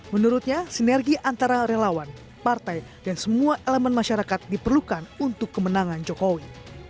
menurutnya sinergi antara relawan partai dan semua elemen masyarakat diperlukan untuk kemenangan jokowi